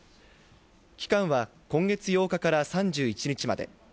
期間は今月８日から３１日まで。